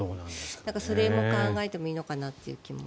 それも考えてもいいのかなという気も。